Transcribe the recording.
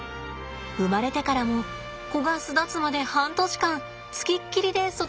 生まれてからも子が巣立つまで半年間付きっきりで育てるんだって。